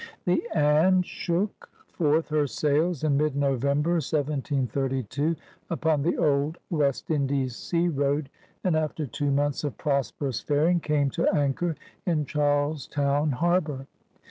The Anne shook forth her sails in mid November, 17S2, upon the old West Indies sea road, and after two months of prosperous faring, came to anchor in Charles Towii harbor.